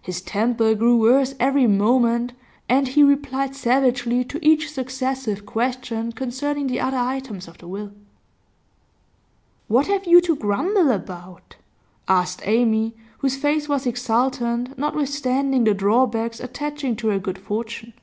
His temper grew worse every moment, and he replied savagely to each successive question concerning the other items of the will. 'What have you to grumble about?' asked Amy, whose face was exultant notwithstanding the drawbacks attaching to her good fortune.